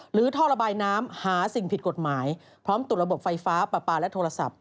ท่อระบายน้ำหาสิ่งผิดกฎหมายพร้อมตรวจระบบไฟฟ้าปลาปลาและโทรศัพท์